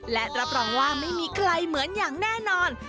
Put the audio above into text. และรับรองว่าไม่มีใครเหมือนอย่างแน่นอน